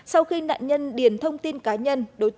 sau khi nạn nhân điền thông tin cá nhân